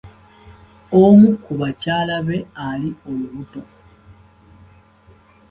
Omu ku bakyala be ali olubuto.